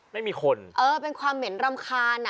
ไม่มีคนเออเป็นความเหม็นรำคาญอ่ะ